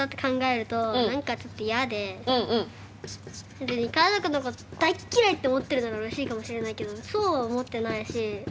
それで家族のこと大っ嫌いって思ってるならうれしいかもしれないけどそうは思ってないし。